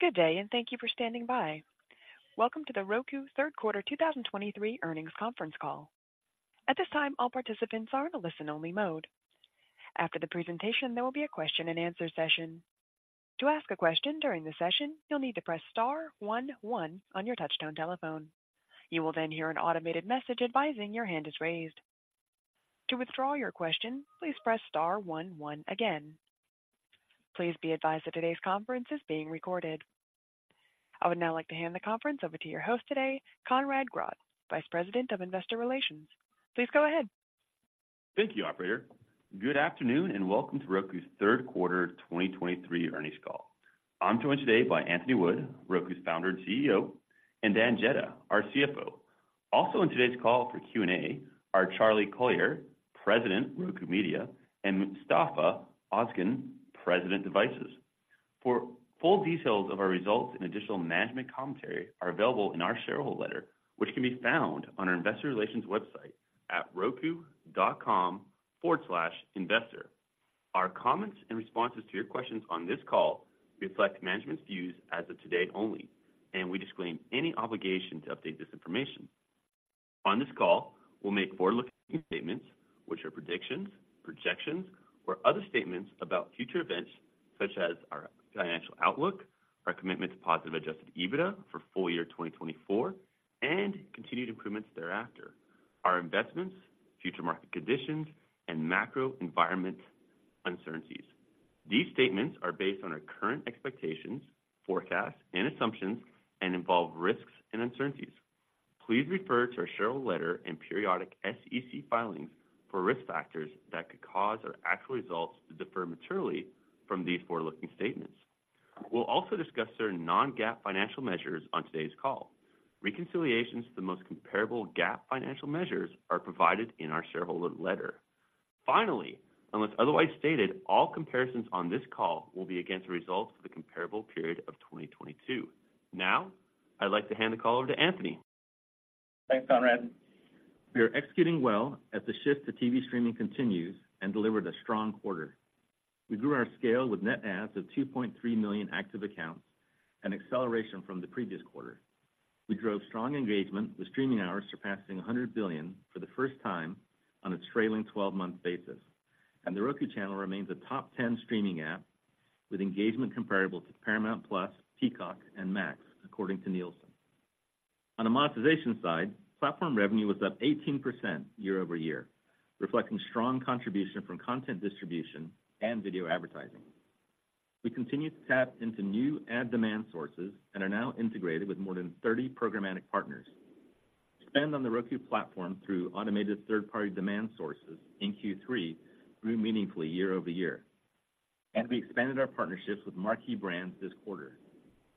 Good day, and thank you for standing by. Welcome to the Roku third quarter 2023 earnings conference call. At this time, all participants are in a listen-only mode. After the presentation, there will be a question-and-answer session. To ask a question during the session, you'll need to press star one one on your touch-tone telephone. You will then hear an automated message advising your hand is raised. To withdraw your question, please press star one one again. Please be advised that today's conference is being recorded. I would now like to hand the conference over to your host today, Conrad Grodd, Vice President of Investor Relations. Please go ahead. Thank you, operator. Good afternoon, and welcome to Roku's third quarter 2023 earnings call. I'm joined today by Anthony Wood, Roku's Founder and CEO, and Dan Jedda, our CFO. Also in today's call for Q&A are Charlie Collier, President, Roku Media, and Mustafa Ozgen, President, Devices. For full details of our results and additional management commentary are available in our shareholder letter, which can be found on our investor relations website at roku.com/investor. Our comments and responses to your questions on this call reflect management's views as of today only, and we disclaim any obligation to update this information. On this call, we'll make forward-looking statements, which are predictions, projections, or other statements about future events, such as our financial outlook, our commitment to positive adjusted EBITDA for full year 2024 and continued improvements thereafter, our investments, future market conditions, and macro environment uncertainties. These statements are based on our current expectations, forecasts and assumptions and involve risks and uncertainties. Please refer to our shareholder letter and periodic SEC filings for risk factors that could cause our actual results to differ materially from these forward-looking statements. We'll also discuss certain non-GAAP financial measures on today's call. Reconciliations to the most comparable GAAP financial measures are provided in our shareholder letter. Finally, unless otherwise stated, all comparisons on this call will be against the results for the comparable period of 2022. Now, I'd like to hand the call over to Anthony. Thanks, Conrad. We are executing well as the shift to TV streaming continues and delivered a strong quarter. We grew our scale with net adds of 2.3 million active accounts, an acceleration from the previous quarter. We drove strong engagement, with streaming hours surpassing 100 billion for the first time on a trailing 12-month basis, and The Roku Channel remains a top 10 streaming app, with engagement comparable to Paramount+, Peacock, and Max, according to Nielsen. On the monetization side, platform revenue was up 18% year-over-year, reflecting strong contribution from content distribution and video advertising. We continue to tap into new ad demand sources and are now integrated with more than 30 programmatic partners. Spend on the Roku platform through automated third-party demand sources in Q3 grew meaningfully year-over-year, and we expanded our partnerships with marquee brands this quarter.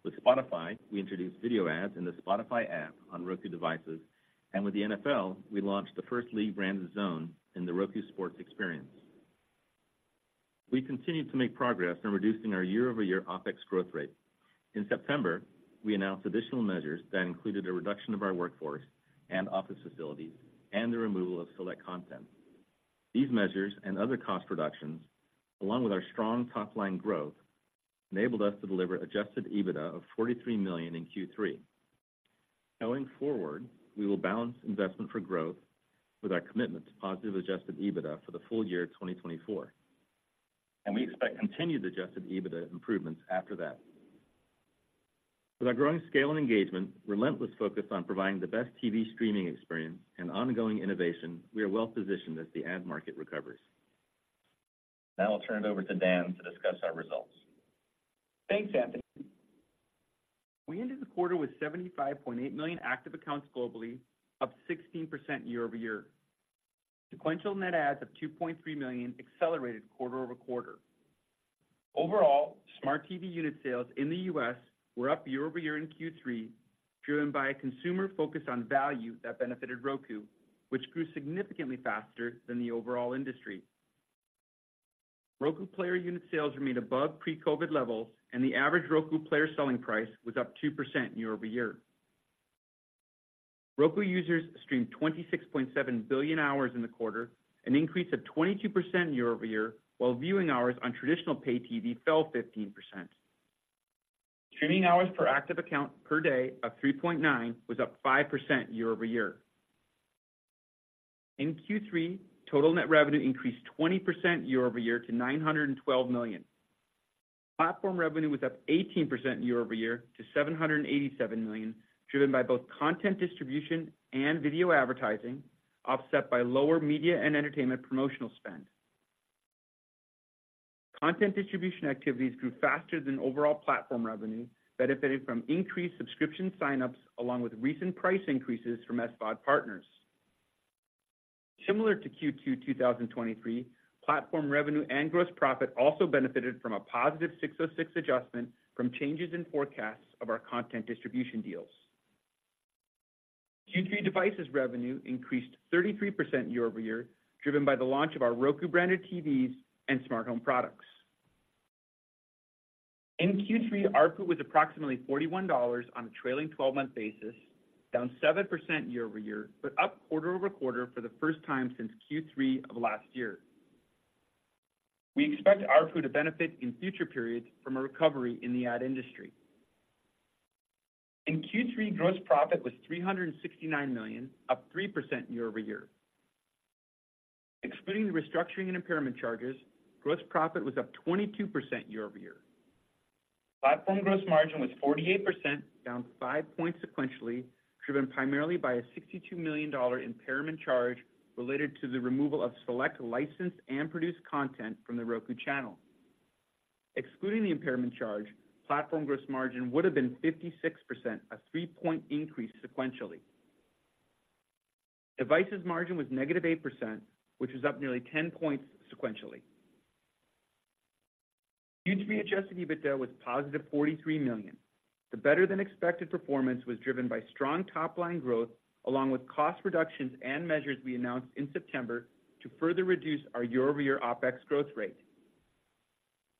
With Spotify, we introduced video ads in the Spotify app on Roku devices, and with the NFL, we launched the first league-branded zone in the Roku Sports experience. We continued to make progress in reducing our year-over-year OpEx growth rate. In September, we announced additional measures that included a reduction of our workforce and office facilities and the removal of select content. These measures and other cost reductions, along with our strong top-line growth, enabled us to deliver adjusted EBITDA of $43 million in Q3. Going forward, we will balance investment for growth with our commitment to positive adjusted EBITDA for the full-year 2024, and we expect continued adjusted EBITDA improvements after that. With our growing scale and engagement, relentless focus on providing the best TV streaming experience and ongoing innovation, we are well positioned as the ad market recovers. Now, I'll turn it over to Dan to discuss our results. Thanks, Anthony. We ended the quarter with 75.8 million active accounts globally, up 16% year-over-year. Sequential net adds of 2.3 million accelerated quarter-over-quarter. Overall, smart TV unit sales in the U.S. were up year-over-year in Q3, driven by a consumer focus on value that benefited Roku, which grew significantly faster than the overall industry. Roku player unit sales remained above pre-COVID levels, and the average Roku player selling price was up 2% year-over-year. Roku users streamed 26.7 billion hours in the quarter, an increase of 22% year-over-year, while viewing hours on traditional paid TV fell 15%. Streaming hours per active account per day of 3.9 was up 5% year-over-year. In Q3, total net revenue increased 20% year-over-year to $912 million. Platform revenue was up 18% year-over-year to $787 million, driven by both content distribution and video advertising, offset by lower media and entertainment promotional spend. Content distribution activities grew faster than overall platform revenue, benefiting from increased subscription signups, along with recent price increases from SVOD partners. Similar to Q2 2023, platform revenue and gross profit also benefited from a positive 606 adjustment from changes in forecasts of our content distribution deals. Q3 devices revenue increased 33% year-over-year, driven by the launch of our Roku-branded TVs and Smart Home products. In Q3, ARPU was approximately $41 on a trailing 12-month basis, down 7% year-over-year, but up quarter-over-quarter for the first time since Q3 of last year. We expect ARPU to benefit in future periods from a recovery in the ad industry. In Q3, gross profit was $369 million, up 3% year-over-year. Excluding the restructuring and impairment charges, gross profit was up 22% year-over-year. Platform gross margin was 48%, down 5 points sequentially, driven primarily by a $62 million impairment charge related to the removal of select licensed and produced content from The Roku Channel. Excluding the impairment charge, platform gross margin would have been 56%, a three-point increase sequentially. Devices margin was -8%, which was up nearly 10 points sequentially. Q3 adjusted EBITDA was $43 million. The better-than-expected performance was driven by strong top-line growth, along with cost reductions and measures we announced in September to further reduce our year-over-year OpEx growth rate.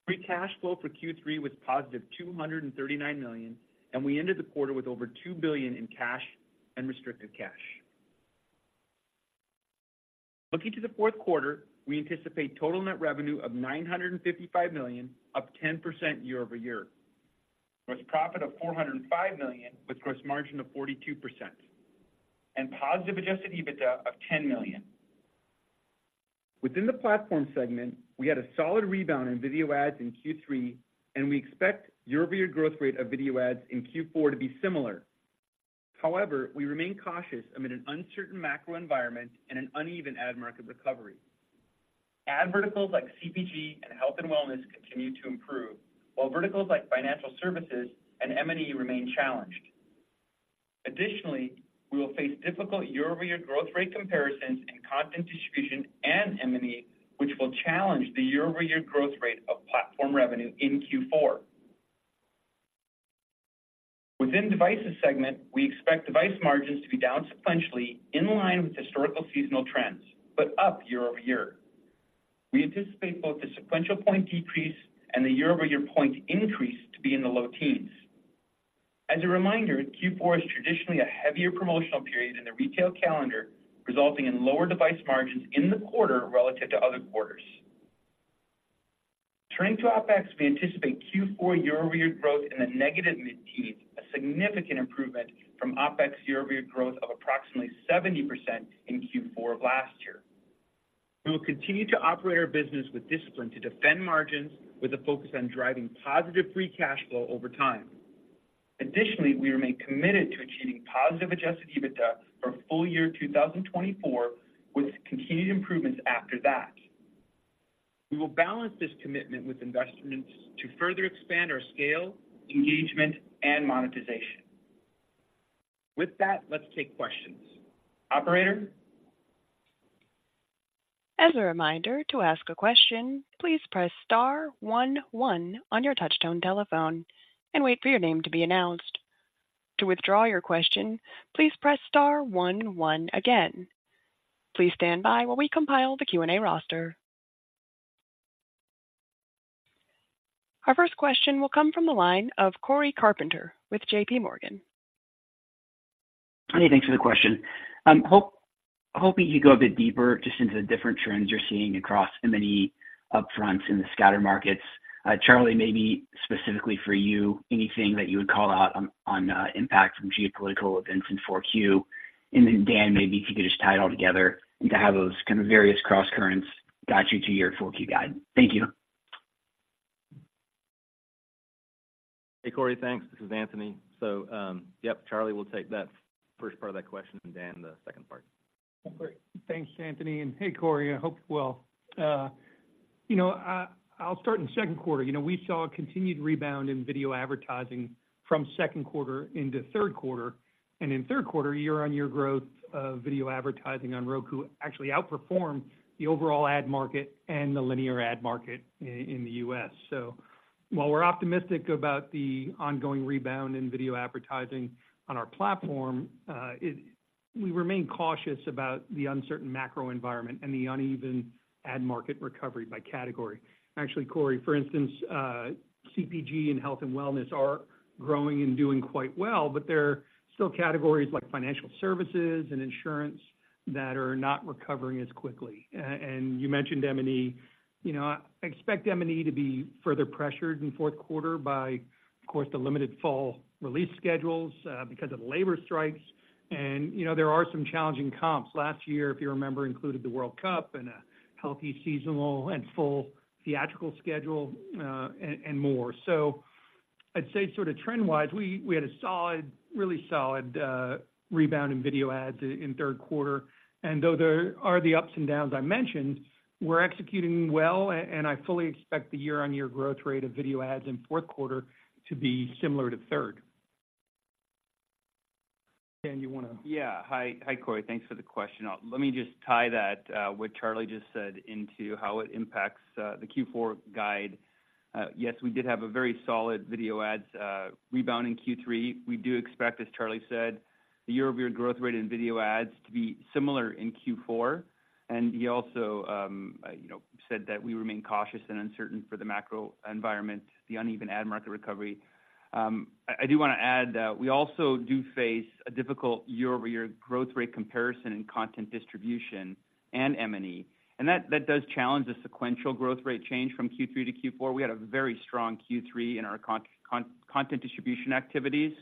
Free cash flow for Q3 was $239 million, and we ended the quarter with over $2 billion in cash and restricted cash. Looking to the fourth quarter, we anticipate total net revenue of $955 million, up 10% year-over-year. Gross profit of $405 million, with gross margin of 42%, and positive adjusted EBITDA of $10 million. Within the Platform segment, we had a solid rebound in video ads in Q3, and we expect year-over-year growth rate of video ads in Q4 to be similar. However, we remain cautious amid an uncertain macro environment and an uneven ad market recovery. Ad verticals like CPG and health and wellness continue to improve, while verticals like financial services and M&E remain challenged. Additionally, we will face difficult year-over-year growth rate comparisons in content distribution and M&E, which will challenge the year-over-year growth rate of platform revenue in Q4. Within Devices segment, we expect device margins to be down sequentially, in line with historical seasonal trends, but up year over year. We anticipate both the sequential point decrease and the year-over-year point increase to be in the low teens. As a reminder, Q4 is traditionally a heavier promotional period in the retail calendar, resulting in lower device margins in the quarter relative to other quarters. Turning to OpEx, we anticipate Q4 year-over-year growth in the negative mid-teens, a significant improvement from OpEx year-over-year growth of approximately 70% in Q4 of last year. We will continue to operate our business with discipline to defend margins, with a focus on driving positive free cash flow over time. Additionally, we remain committed to achieving positive adjusted EBITDA for full year 2024, with continued improvements after that. We will balance this commitment with investments to further expand our scale, engagement, and monetization. With that, let's take questions. Operator? As a reminder, to ask a question, please press star one one on your touch-tone telephone and wait for your name to be announced. To withdraw your question, please press star one one again. Please stand by while we compile the Q&A roster. Our first question will come from the line of Cory Carpenter with JPMorgan. Hey, thanks for the question. Hoping you go a bit deeper just into the different trends you're seeing across many upfronts in the scatter markets. Charlie, maybe specifically for you, anything that you would call out on impact from geopolitical events in 4Q? And then, Dan, maybe if you could just tie it all together and to have those kind of various crosscurrents guide you to your 4Q guide. Thank you. Hey, Cory. Thanks. This is Anthony. So, yep, Charlie will take that first part of that question, and Dan, the second part. Great. Thanks, Anthony. And hey, Cory, I hope you're well. You know, I'll start in the second quarter. You know, we saw a continued rebound in video advertising from second quarter into third quarter. And in third quarter, year-on-year growth of video advertising on Roku actually outperformed the overall ad market and the linear ad market in the U.S. So while we're optimistic about the ongoing rebound in video advertising on our platform, we remain cautious about the uncertain macro environment and the uneven ad market recovery by category. Actually, Cory, for instance, CPG and health and wellness are growing and doing quite well, but there are still categories like financial services and insurance that are not recovering as quickly. And you mentioned M&E. You know, I expect M&E to be further pressured in fourth quarter by, of course, the limited fall release schedules, because of the labor strikes. And, you know, there are some challenging comps. Last year, if you remember, included the World Cup and a healthy, seasonal, and full theatrical schedule, and more. So I'd say sort of trend-wise, we had a solid, really solid, rebound in video ads in third quarter. And though there are the ups and downs I mentioned, we're executing well, and I fully expect the year-on-year growth rate of video ads in fourth quarter to be similar to third. Dan, you wanna- Yeah. Hi, hi, Cory. Thanks for the question. Let me just tie that, what Charlie just said, into how it impacts the Q4 guide. Yes, we did have a very solid video ads rebound in Q3. We do expect, as Charlie said, the year-over-year growth rate in video ads to be similar in Q4. And he also, you know, said that we remain cautious and uncertain for the macro environment, the uneven ad market recovery. I do wanna add that we also do face a difficult year-over-year growth rate comparison in content distribution and M&E, and that does challenge the sequential growth rate change from Q3 to Q4. We had a very strong Q3 in our content distribution activities.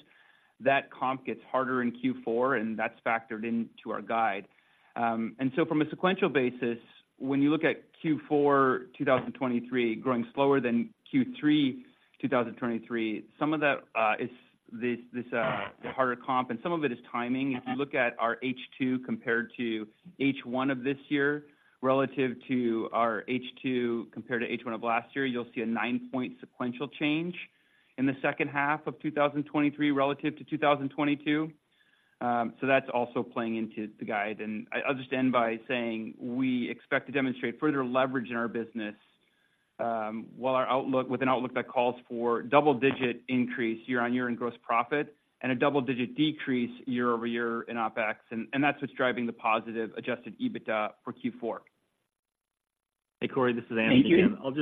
That comp gets harder in Q4, and that's factored into our guide. And so from a sequential basis, when you look at Q4 2023, growing slower than Q3 2023, some of that is the harder comp, and some of it is timing. If you look at our H2 compared to H1 of this year relative to our H2 compared to H1 of last year, you'll see a 9-point sequential change in the second half of 2023 relative to 2022. So that's also playing into the guide. And I'll just end by saying, we expect to demonstrate further leverage in our business, while our outlook with an outlook that calls for double-digit increase year-over-year in gross profit, and a double-digit decrease year-over-year in OpEx. And that's what's driving the positive adjusted EBITDA for Q4. Hey, Cory, this is Anthony again. Thank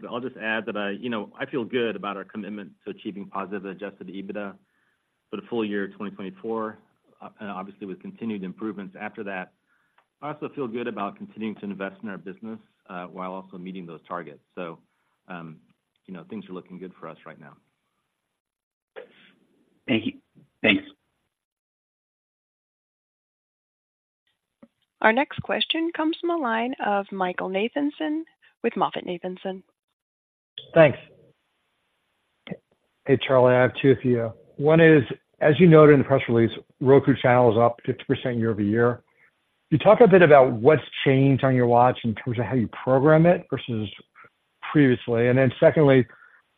you. I'll just add that I, you know, I feel good about our commitment to achieving positive adjusted EBITDA for the full year of 2024, and obviously, with continued improvements after that. I also feel good about continuing to invest in our business, while also meeting those targets. So, you know, things are looking good for us right now. Thank you. Thanks. Our next question comes from the line of Michael Nathanson with MoffettNathanson. Thanks. Hey, Charlie, I have two for you. One is, as you noted in the press release, The Roku Channel is up 50% year-over-year. Can you talk a bit about what's changed on your watch in terms of how you program it versus previously? And then secondly,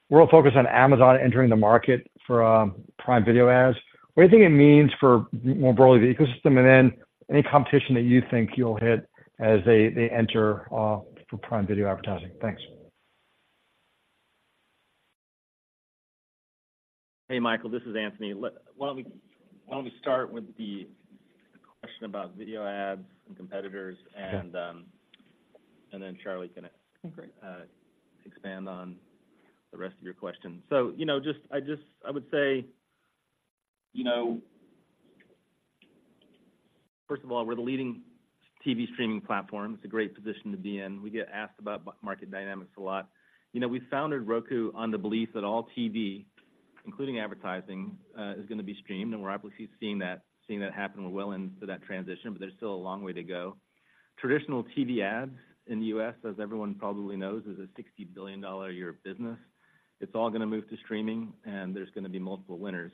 we're all focused on Amazon entering the market for Prime Video ads. What do you think it means for more broadly, the ecosystem, and then any competition that you think you'll hit as they enter for Prime Video advertising? Thanks. Hey, Michael, this is Anthony. Why don't we start with the question about video ads and competitors, and then Charlie expand on the rest of your question. So, you know, just, I just, I would say, you know, first of all, we're the leading TV streaming platform. It's a great position to be in. We get asked about market dynamics a lot. You know, we founded Roku on the belief that all TV, including advertising, is gonna be streamed, and we're obviously seeing that, seeing that happen. We're well into that transition, but there's still a long way to go. Traditional TV ads in the U.S., as everyone probably knows, is a $60 billion a year business. It's all gonna move to streaming, and there's gonna be multiple winners.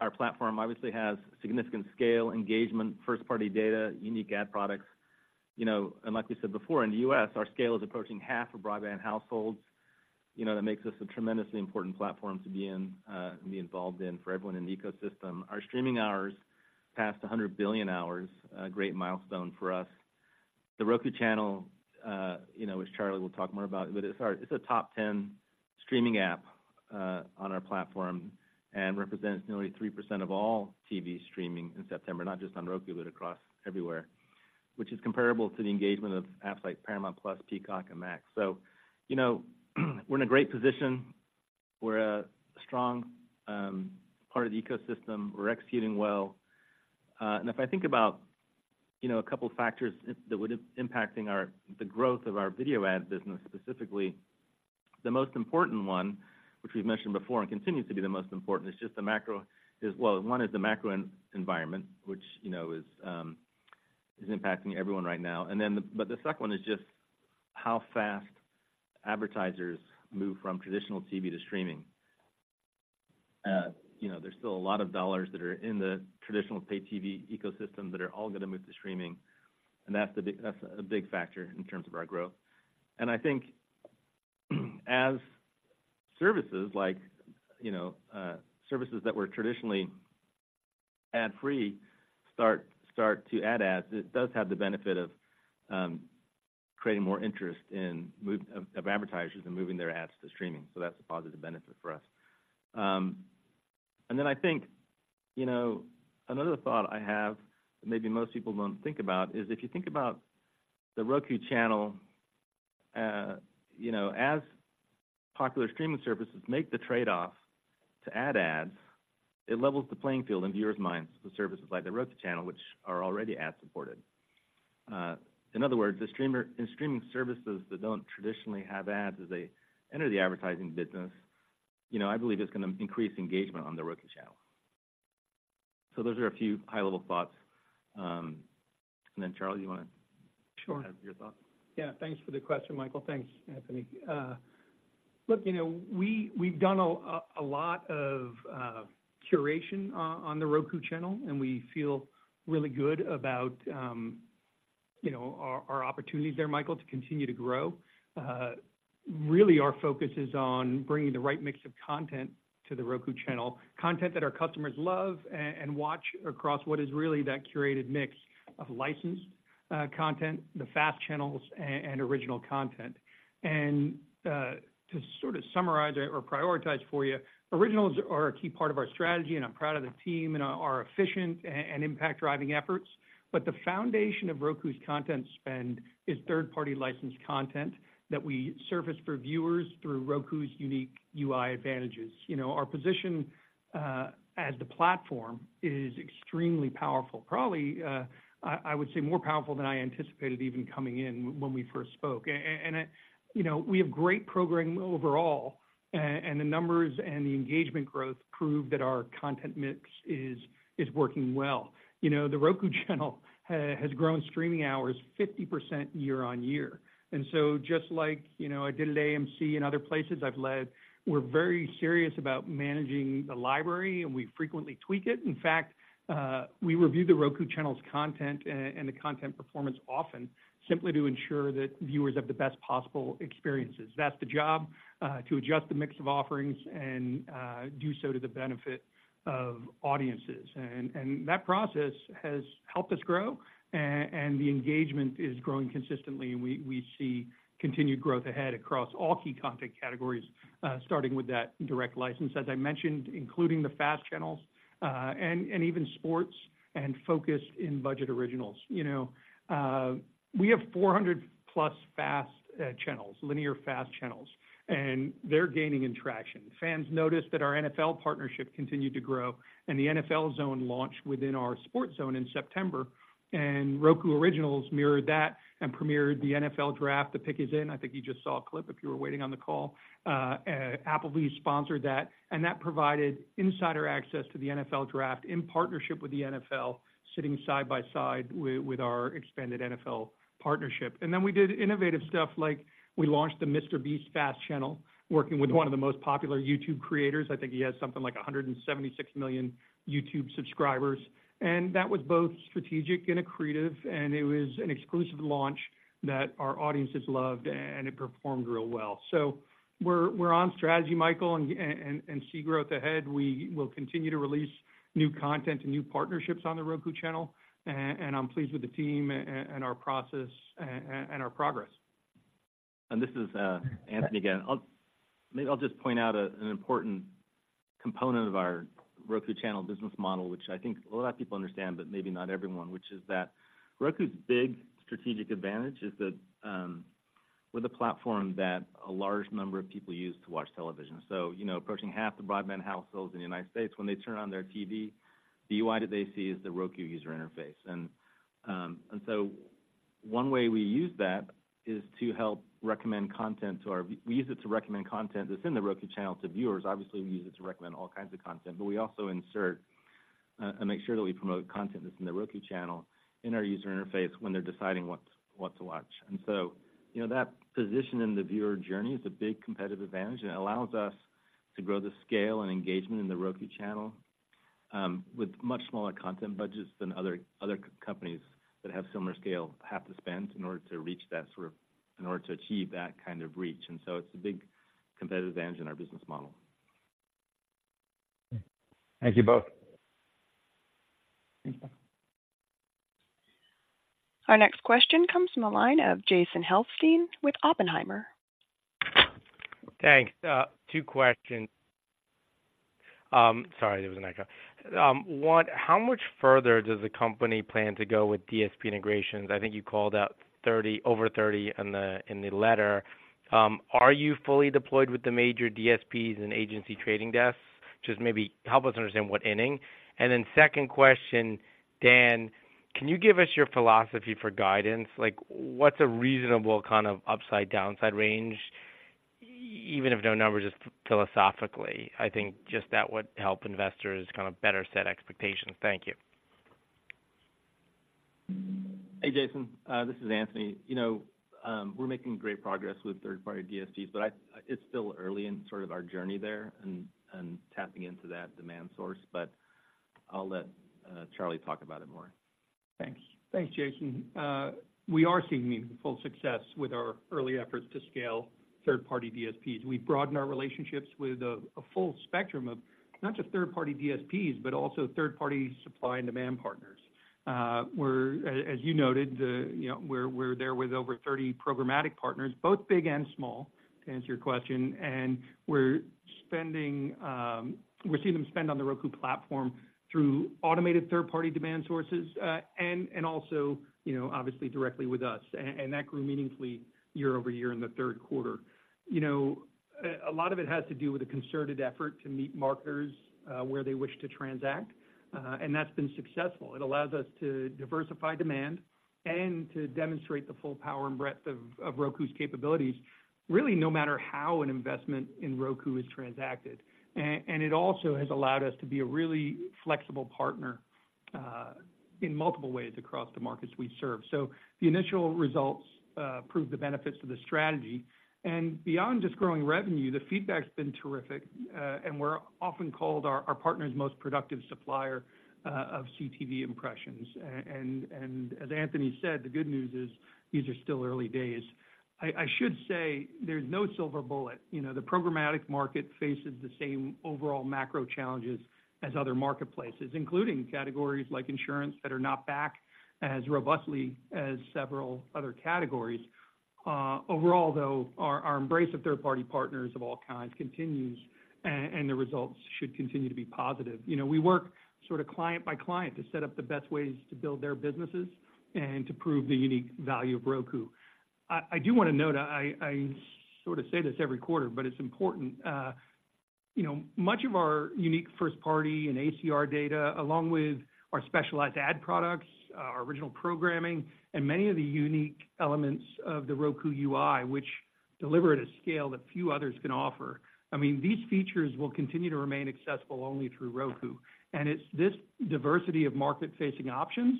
Our platform obviously has significant scale, engagement, first-party data, unique ad products. You know, and like we said before, in the U.S., our scale is approaching half of broadband households. You know, that makes us a tremendously important platform to be in, and be involved in for everyone in the ecosystem. Our streaming hours passed 100 billion hours, a great milestone for us. The Roku Channel, you know, as Charlie will talk more about, but it's a top 10 streaming app, on our platform and represents nearly 3% of all TV streaming in September, not just on Roku, but across everywhere, which is comparable to the engagement of apps like Paramount+, Peacock, and Max. So, you know, we're in a great position. We're a strong, part of the ecosystem. We're executing well. And if I think about, you know, a couple of factors that would impact the growth of our video ad business, specifically, the most important one, which we've mentioned before and continues to be the most important, is just the macro. Well, one, is the macro environment, which, you know, is impacting everyone right now. And then, but the second one is just how fast advertisers move from traditional TV to streaming. You know, there's still a lot of dollars that are in the traditional paid TV ecosystem that are all gonna move to streaming, and that's a big factor in terms of our growth. And I think, as services like, you know, services that were traditionally ad-free start to add ads, it does have the benefit of creating more interest in moving advertisers and moving their ads to streaming. So that's a positive benefit for us. And then I think, you know, another thought I have, maybe most people don't think about, is if you think about The Roku Channel, you know, as popular streaming services make the trade-off to add ads, it levels the playing field in viewers' minds to services like The Roku Channel, which are already ad-supported. In other words, the streaming services that don't traditionally have ads, as they enter the advertising business, you know, I believe it's gonna increase engagement on The Roku Channel. So those are a few high-level thoughts. And then, Charlie, you wanna add your thoughts? Yeah, thanks for the question, Michael. Thanks, Anthony. Look, you know, we've done a lot of curation on The Roku Channel, and we feel really good about, you know, our opportunities there, Michael, to continue to grow. Really, our focus is on bringing the right mix of content to The Roku Channel, content that our customers love and watch across what is really that curated mix of licensed content, the fast channels, and original content. And, to sort of summarize or prioritize for you, originals are a key part of our strategy, and I'm proud of the team and our efficient and impact-driving efforts. But the foundation of Roku's content spend is third-party licensed content that we surface for viewers through Roku's unique UI advantages. You know, our position as the platform is extremely powerful. Probably, I would say, more powerful than I anticipated, even coming in when we first spoke. And, you know, we have great programming overall, and the numbers and the engagement growth prove that our content mix is working well. You know, The Roku Channel has grown streaming hours 50% year-over-year. And so just like, you know, I did at AMC and other places I've led, we're very serious about managing the library, and we frequently tweak it. In fact, we review The Roku Channel's content and the content performance often, simply to ensure that viewers have the best possible experiences. That's the job, to adjust the mix of offerings and do so to the benefit of audiences. That process has helped us grow, and the engagement is growing consistently, and we see continued growth ahead across all key content categories, starting with that direct license, as I mentioned, including the FAST channels, and even sports and focus in budget originals. You know, we have 400+ linear FAST channels, and they're gaining in traction. Fans noticed that our NFL partnership continued to grow, and the NFL Zone launched within our Sports Zone in September, and Roku Originals mirrored that and premiered the NFL Draft: The Pick Is In. I think you just saw a clip if you were waiting on the call. Applebee's sponsored that, and that provided insider access to the NFL Draft in partnership with the NFL, sitting side by side with our expanded NFL partnership. And then we did innovative stuff like we launched the MrBeast FAST channel, working with one of the most popular YouTube creators. I think he has something like 176 million YouTube subscribers. And that was both strategic and accretive, and it was an exclusive launch that our audiences loved, and it performed real well. So we're on strategy, Michael, and see growth ahead. We will continue to release new content and new partnerships on The Roku Channel, and I'm pleased with the team and our process and our progress. And this is Anthony again. I'll just point out an important component of our Roku Channel business model, which I think a lot of people understand, but maybe not everyone, which is that Roku's big strategic advantage is that we're the platform that a large number of people use to watch television. So, you know, approaching half the broadband households in the United States, when they turn on their TV, the UI that they see is the Roku user interface. And so one way we use that is to help recommend content. We use it to recommend content that's in The Roku Channel to viewers. Obviously, we use it to recommend all kinds of content, but we also insert and make sure that we promote content that's in The Roku Channel in our user interface when they're deciding what to watch. And so, you know, that position in the viewer journey is a big competitive advantage, and it allows us to grow the scale and engagement in The Roku Channel with much smaller content budgets than other companies that have similar scale have to spend in order to reach that sort of... In order to achieve that kind of reach. And so it's a big competitive advantage in our business model. Thank you both. Thanks, Michael. Our next question comes from the line of Jason Helfstein with Oppenheimer. Thanks. Two questions. Sorry, there was an echo. One, how much further does the company plan to go with DSP integrations? I think you called out 30 over 30 in the letter. Are you fully deployed with the major DSPs and agency trading desks? Just maybe help us understand what inning. And then second question, Dan, can you give us your philosophy for guidance? Like, what's a reasonable kind of upside-downside range, e- even if no numbers, just philosophically? I think just that would help investors kind of better set expectations. Thank you. Hey, Jason, this is Anthony. You know, we're making great progress with third-party DSPs, but it's still early in sort of our journey there and tapping into that demand source. But I'll let Charlie talk about it more. Thanks. Thanks, Jason. We are seeing meaningful success with our early efforts to scale third-party DSPs. We've broadened our relationships with a full spectrum of not just third-party DSPs, but also third-party supply and demand partners. We're, as you noted, you know, we're there with over 30 programmatic partners, both big and small, to answer your question. And we're seeing them spend on the Roku platform through automated third-party demand sources, and also, you know, obviously directly with us. And that grew meaningfully year-over-year in the third quarter. You know, a lot of it has to do with a concerted effort to meet marketers where they wish to transact, and that's been successful. It allows us to diversify demand and to demonstrate the full power and breadth of Roku's capabilities, really, no matter how an investment in Roku is transacted. And it also has allowed us to be a really flexible partner, in multiple ways across the markets we serve. So the initial results prove the benefits to the strategy. And beyond just growing revenue, the feedback's been terrific, and we're often called our partner's most productive supplier of CTV impressions. And as Anthony said, the good news is these are still early days. I should say, there's no silver bullet. You know, the programmatic market faces the same overall macro challenges as other marketplaces, including categories like insurance, that are not back as robustly as several other categories. Overall, though, our embrace of third-party partners of all kinds continues, and the results should continue to be positive. You know, we work sort of client by client to set up the best ways to build their businesses and to prove the unique value of Roku. I do want to note, I sort of say this every quarter, but it's important. You know, much of our unique first-party and ACR data, along with our specialized ad products, our original programming, and many of the unique elements of the Roku UI, which deliver at a scale that few others can offer. I mean, these features will continue to remain accessible only through Roku, and it's this diversity of market-facing options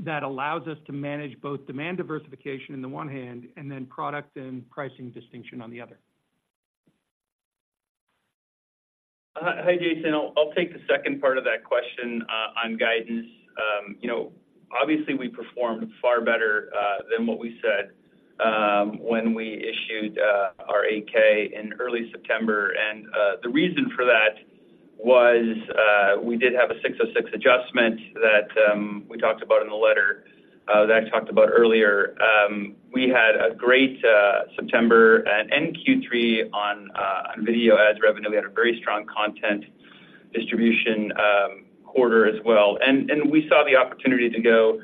that allows us to manage both demand diversification on the one hand, and then product and pricing distinction on the other. Hi, Jason. I'll take the second part of that question on guidance. You know, obviously, we performed far better than what we said when we issued our 8-K in early September. The reason for that was we did have a 606 adjustment that we talked about in the letter that I talked about earlier. We had a great September and Q3 on video ads revenue. We had a very strong content distribution quarter as well, and we saw the opportunity to go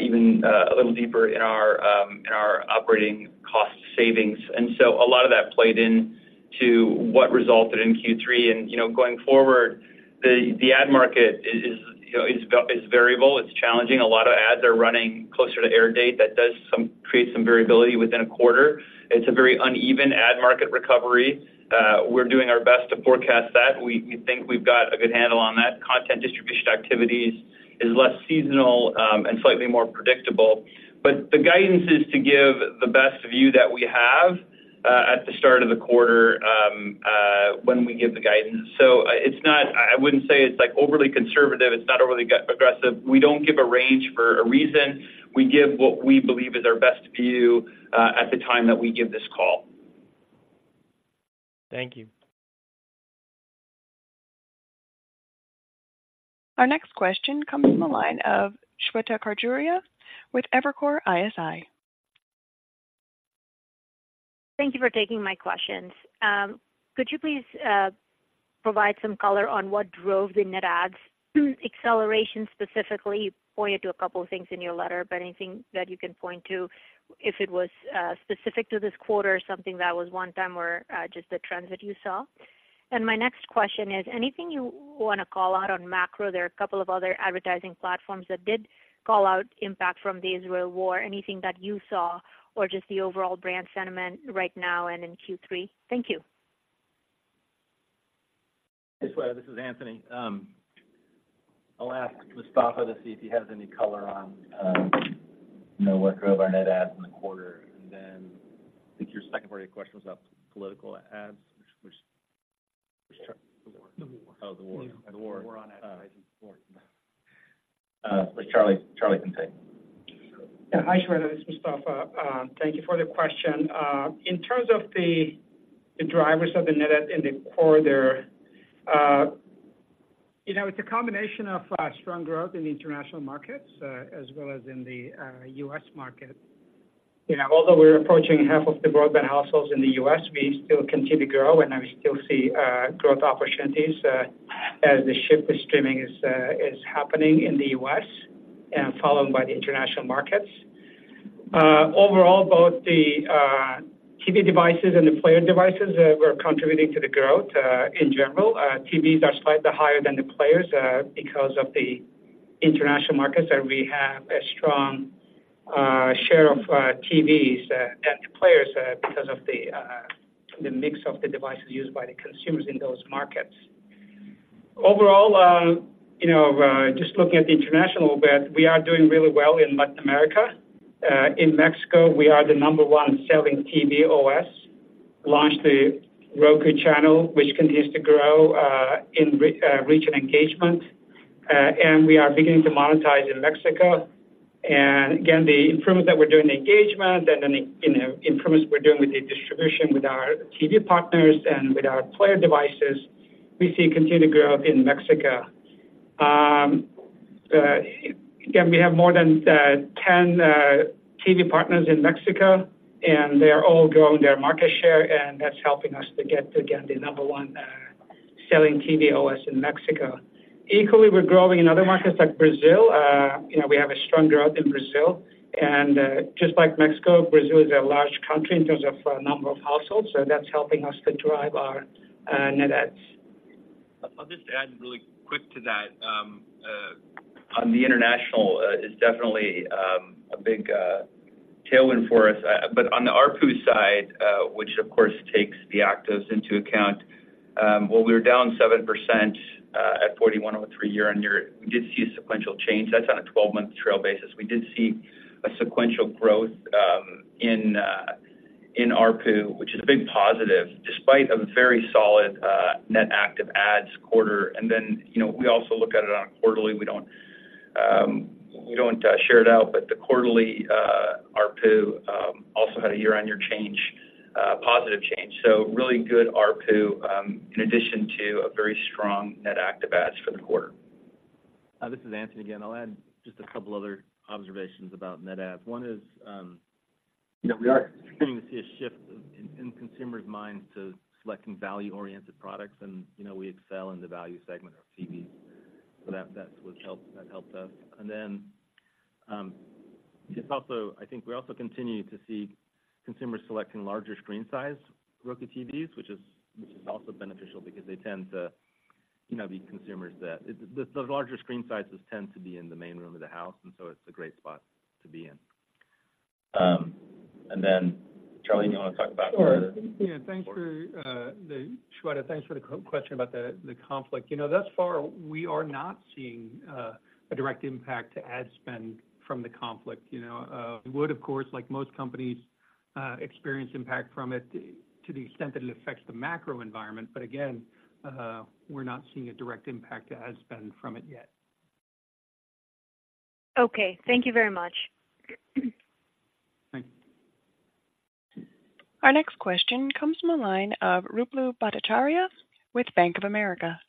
even a little deeper in our operating cost savings. So a lot of that played into what resulted in Q3. You know, going forward, the ad market is variable, it's challenging. A lot of ads are running closer to air date that does create some variability within a quarter. It's a very uneven ad market recovery. We're doing our best to forecast that. We think we've got a good handle on that. Content distribution activities is less seasonal, and slightly more predictable. But the guidance is to give the best view that we have, at the start of the quarter, when we give the guidance. So, it's not... I wouldn't say it's, like, overly conservative. It's not overly aggressive. We don't give a range for a reason. We give what we believe is our best view, at the time that we give this call. Thank you. Our next question comes from the line of Shweta Khajuria with Evercore ISI. Thank you for taking my questions. Could you please provide some color on what drove the net adds acceleration, specifically, you pointed to a couple of things in your letter, but anything that you can point to, if it was specific to this quarter or something that was one time, or just the trends that you saw? And my next question is, anything you want to call out on macro? There are a couple of other advertising platforms that did call out impact from the Israel war. Anything that you saw or just the overall brand sentiment right now and in Q3? Thank you. Hi, Shweta, this is Anthony. I'll ask Mustafa to see if he has any color on, you know, what drove our net adds in the quarter. And then I think your second part of your question was about political ads, which, which- The war. Oh, the war. The war on advertising. Charlie, Charlie can take. Yeah. Hi, Shweta, this is Mustafa. Thank you for the question. In terms of the drivers of the net adds in the quarter, you know, it's a combination of strong growth in the international markets as well as in the U.S. market. You know, although we're approaching half of the broadband households in the U.S., we still continue to grow, and we still see growth opportunities as the shift to streaming is happening in the U.S., followed by the international markets. Overall, both the TV devices and the player devices were contributing to the growth. In general, TVs are slightly higher than the players because of the international markets, where we have a strong share of TVs and the players because of the mix of the devices used by the consumers in those markets. Overall, you know, just looking at the international bit, we are doing really well in Latin America. In Mexico, we are the number one selling TV OS, launched the Roku Channel, which continues to grow in reach and engagement. And we are beginning to monetize in Mexico. Again, the improvements that we're doing in engagement and then the improvements we're doing with the distribution with our TV partners and with our player devices, we see continued growth in Mexico. Again, we have more than 10 TV partners in Mexico, and they are all growing their market share, and that's helping us to get to, again, the number one selling TV OS in Mexico. Equally, we're growing in other markets like Brazil. You know, we have a strong growth in Brazil. And just like Mexico, Brazil is a large country in terms of number of households, so that's helping us to drive our net adds. I'll just add really quick to that. On the international, it is definitely a big tailwind for us. On the ARPU side, which, of course, takes the actives into account, well, we were down 7% at $41.03 year-on-year. We did see a sequential change. That's on a 12-month trail basis. We did see a sequential growth in ARPU, which is a big positive, despite a very solid net active ads quarter. You know, we also look at it on a quarterly. We don't share it out, but the quarterly ARPU also had a year-on-year change, positive change. Really good ARPU, in addition to a very strong net active ads for the quarter. This is Anthony again. I'll add just a couple of other observations about net adds. One is, you know, we are beginning to see a shift in consumers' minds to selecting value-oriented products, and, you know, we excel in the value segment of TVs. So that, that's what helped, that helped us. And then, it's also, I think we're also continuing to see consumers selecting larger screen size Roku TVs, which is also beneficial because they tend to, you know, be consumers that... Those larger screen sizes tend to be in the main room of the house, and so it's a great spot to be in. And then, Charlie, you want to talk about our- Sure. Yeah, thanks, Shweta, thanks for the question about the conflict. You know, thus far, we are not seeing a direct impact to ad spend from the conflict, you know. We would, of course, like most companies, experience impact from it to the extent that it affects the macro environment. But again, we're not seeing a direct impact to ad spend from it yet. Okay. Thank you very much. Thank you. Our next question comes from the line of Ruplu Bhattacharya with Bank of America.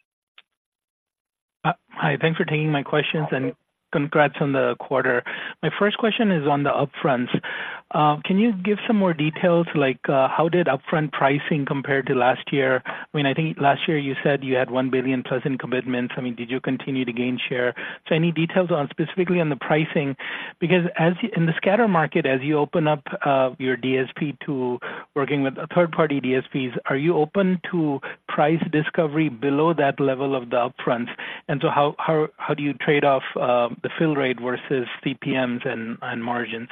Hi, thanks for taking my questions, and congrats on the quarter. My first question is on the upfronts. Can you give some more details, like, how did upfront pricing compare to last year? I mean, I think last year you said you had $1 billion+ in commitments. I mean, did you continue to gain share? So I need details on specifically on the pricing, because as you, in the scatter market, as you open up your DSP to working with third-party DSPs, are you open to price discovery below that level of the upfronts? And so how, how, how do you trade off the fill rate versus CPMs and margins?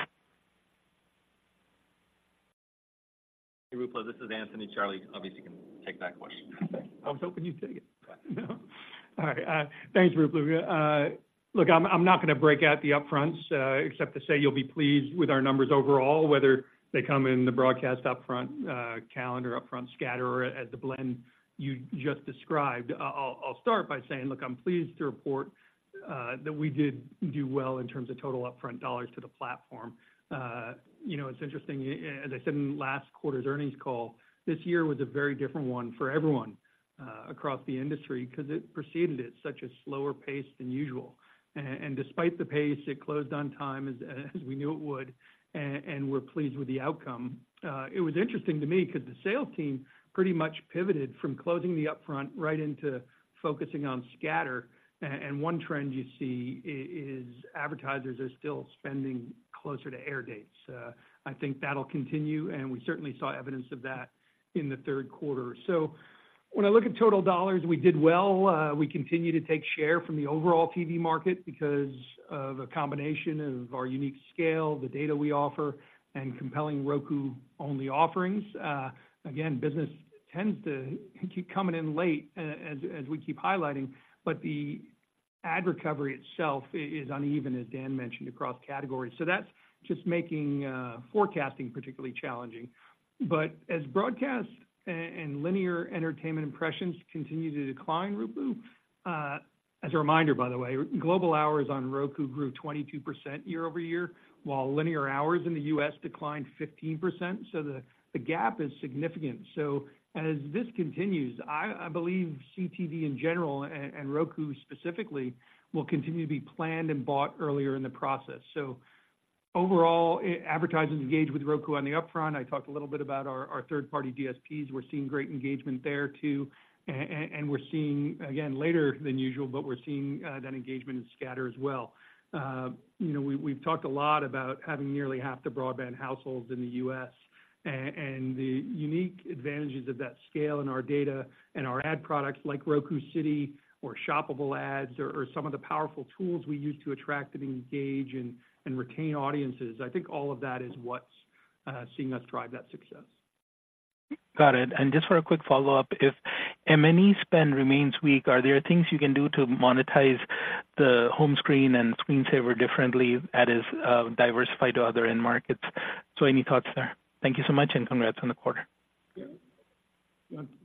Hey, Ruplu, this is Anthony. Charlie, obviously, can take that question. I was hoping you'd take it. All right, thanks, Ruplu. Look, I'm not going to break out the upfronts, except to say you'll be pleased with our numbers overall, whether they come in the broadcast upfront calendar, upfront scatter, or as the blend you just described. I'll start by saying, look, I'm pleased to report that we did do well in terms of total upfront dollars to the platform. You know, it's interesting, as I said in last quarter's earnings call, this year was a very different one for everyone across the industry because it proceeded at such a slower pace than usual. And despite the pace, it closed on time, as we knew it would, and we're pleased with the outcome. It was interesting to me because the sales team pretty much pivoted from closing the upfront right into focusing on scatter. And one trend you see is advertisers are still spending closer to air dates. I think that'll continue, and we certainly saw evidence of that in the third quarter. So when I look at total dollars, we did well. We continue to take share from the overall TV market because of a combination of our unique scale, the data we offer, and compelling Roku-only offerings. Again, business tends to keep coming in late, as, as we keep highlighting, but the ad recovery itself is uneven, as Dan mentioned, across categories. So that's just making forecasting particularly challenging. But as broadcast and linear entertainment impressions continue to decline, Ruplu. As a reminder, by the way, global hours on Roku grew 22% year-over-year, while linear hours in the U.S. declined 15%, so the gap is significant. So as this continues, I believe CTV in general and Roku specifically will continue to be planned and bought earlier in the process. So overall, advertisers engage with Roku on the upfront. I talked a little bit about our third-party DSPs. We're seeing great engagement there, too, and we're seeing, again, later than usual, but we're seeing that engagement in scatter as well. You know, we’ve talked a lot about having nearly half the broadband households in the U.S., and the unique advantages of that scale in our data and our ad products, like Roku City or shoppable ads or some of the powerful tools we use to attract and engage and retain audiences. I think all of that is what’s seeing us drive that success. Got it. And just for a quick follow-up, if M&E spend remains weak, are there things you can do to monetize the home screen and screensaver differently, that is, diversified to other end markets? So any thoughts there? Thank you so much, and congrats on the quarter. Yeah.